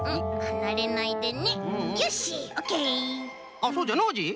あっそうじゃノージー。